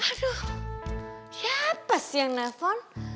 aduh siapa sih yang nelfon